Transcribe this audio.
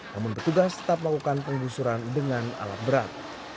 namun petugas tetap melakukan penggusuran dengan alat berat